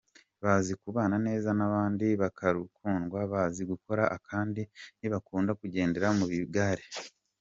Bazi kubana neza n’abandi, barakundwa, bazi gukora kandi ntibakunda kugendera mu bigare.